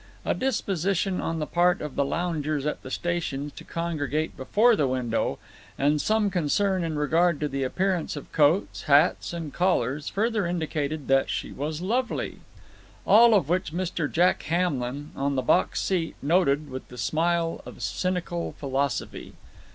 A disposition on the part of loungers at the stations to congregate before the window, and some concern in regard to the appearance of coats, hats, and collars, further indicated that she was lovely. All of which Mr. Jack Hamlin, on the box seat, noted with the smile of cynical philosophy.